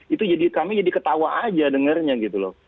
itu jadi kami jadi ketawa aja dengernya gitu loh